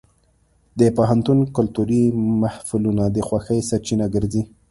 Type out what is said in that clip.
د پوهنتون کلتوري محفلونه د خوښۍ سرچینه ګرځي.